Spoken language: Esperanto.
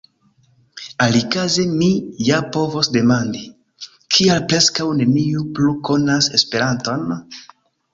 Alikaze mi ja povos demandi: kial preskaŭ neniu plu konas Esperanton?